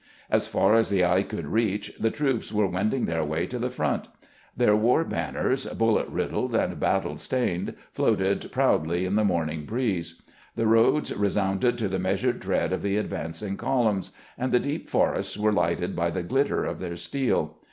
As far as the eye could reach the troops were wending their way to the front. Their war banners, bullet riddled and battle stained, floated proudly in the morning breeze. The roads re sounded to the measured tread of the advancing columns, and the deep forests were lighted by the glitter of their steel.